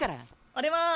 俺も！